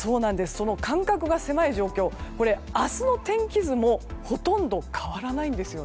間隔が狭い状況は明日の天気図もほとんど変わらないです。